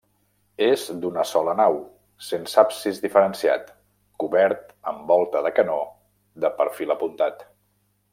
És d'una sola nau, sense absis diferenciat, cobert amb volta de canó de perfil apuntat.